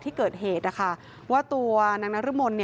ที่เกิดเหตุว่าตัวนางนรมน